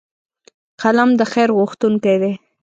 قلم د خیر غوښتونکی دی